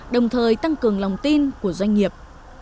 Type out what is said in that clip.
đồng thời tăng cường lòng tin của doanh nghiệp